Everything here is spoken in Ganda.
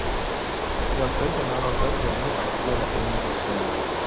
Ku basajja n'abakazi ani ayagala ennyo ssente?